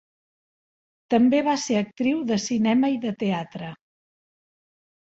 També va ser actriu de cinema i de teatre.